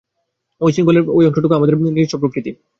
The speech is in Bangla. ঐ শৃঙ্খলের সেই অংশটুকু আমাদের নিজস্ব প্রকৃতি।